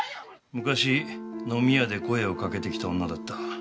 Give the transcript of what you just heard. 昔飲み屋で声をかけてきた女だった。